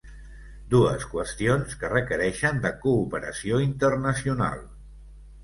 Dues qüestions que requereixen de cooperació internacional.